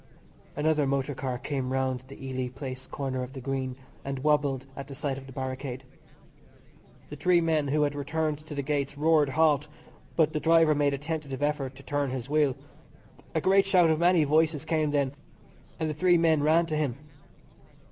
Another motor car came round the Ely Place corner of the Green and wobbled at the sight of the barricade. The three men who had returned to the gates roared "Halt," but the driver made a tentative effort to turn his wheel. A great shout of many voices came then, and the three men ran to him.